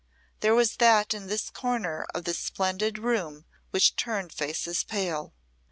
There was that in this corner of the splendid room which turned faces pale.